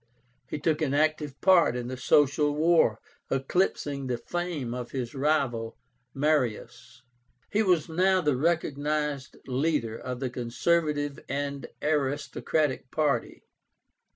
He took an active part in the Social War, eclipsing the fame of his rival, Marius. He was now the recognized leader of the conservative and aristocratic party.